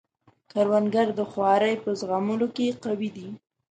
کروندګر د خوارۍ په زغملو کې قوي دی